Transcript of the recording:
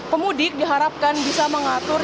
pemudik diharapkan bisa mengatur